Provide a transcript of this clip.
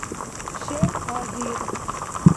шел азир